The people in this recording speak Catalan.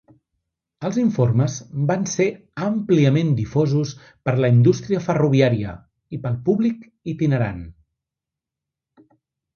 Els informes van ser àmpliament difosos per la indústria ferroviària i pel públic itinerant.